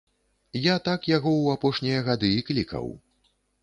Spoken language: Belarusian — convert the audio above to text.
Я так яго ў апошнія гады і клікаў.